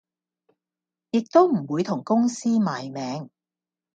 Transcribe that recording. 亦都唔會同公司賣命